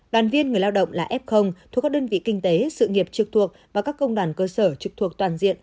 đoàn viên người lao động là f thuộc các đơn vị kinh tế sự nghiệp trực thuộc và các công đoàn cơ sở trực thuộc toàn diện